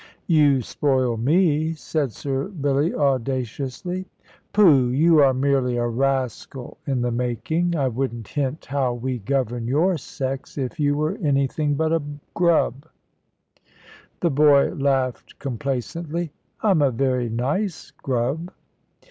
"You spoil me," said Sir Billy, audaciously. "Pooh! You are merely a rascal in the making. I wouldn't hint how we govern your sex, if you were anything but a grub." The boy laughed complacently. "I'm a very nice grub."